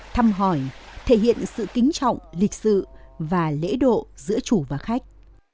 thăm hỏi thể hiện sự kính trọng lịch sự và lễ độ giữa chủ và khách